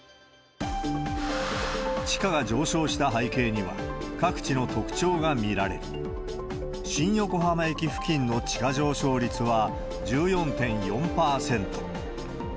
地価が上昇した背景には、各地の特徴が見られ、新横浜駅付近の地価上昇率は１４．４％。